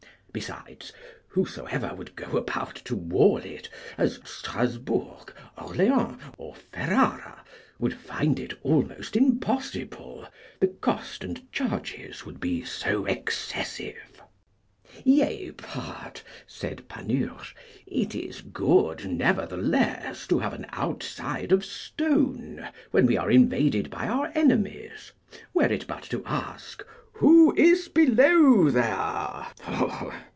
Besides, whosoever would go about to wall it, as Strasbourg, Orleans, or Ferrara, would find it almost impossible, the cost and charges would be so excessive. Yea but, said Panurge, it is good, nevertheless, to have an outside of stone when we are invaded by our enemies, were it but to ask, Who is below there?